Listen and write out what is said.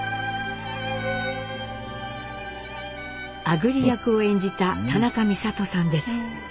あぐり役を演じた田中美里さんです。